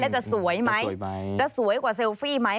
จะสวยไหมสวยไหมจะสวยกว่าเซลฟี่ไหม